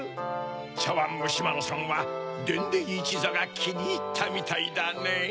ちゃわんむしまろさんはでんでんいちざがきにいったみたいだねぇ。